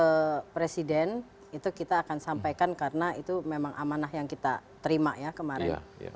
ke presiden itu kita akan sampaikan karena itu memang amanah yang kita terima ya kemarin